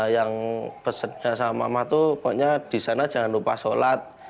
yang pesannya sama mama tuh pokoknya di sana jangan lupa sholat